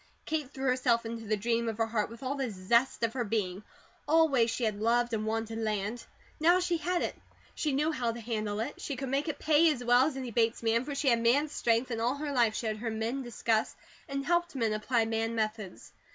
Kate threw herself into the dream of her heart with all the zest of her being. Always she had loved and wanted land. Now she had it. She knew how to handle it. She could make it pay as well as any Bates man, for she had man strength, and all her life she had heard men discuss, and helped men apply man methods.